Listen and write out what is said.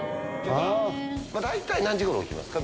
まあ大体何時頃起きますか？